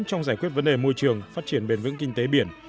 trong giải quyết vấn đề môi trường phát triển bền vững kinh tế biển